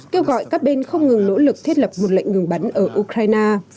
kêu gọi các bên không ngừng nỗ lực thiết lập một lệnh ngừng bắn ở ukraine